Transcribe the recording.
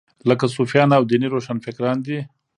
لکه صوفیان او دیني روښانفکران دي.